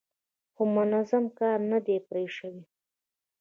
خو منظم کار نه دی پرې شوی.